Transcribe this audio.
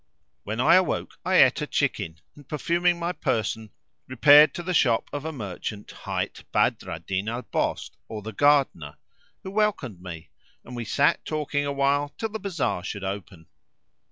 When I awoke I ate a chicken and, perfuming my person, repaired to the shop of a merchant hight Badr al Din al Bostáni, or the Gardener,[FN#522] who welcomed me; and we sat talking awhile till the bazar should open.